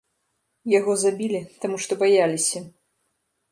Яго забілі, таму што баяліся.